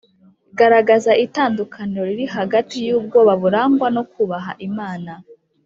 Garagaza itandukaniro riri hagati y ubwoba burangwa no kubaha imana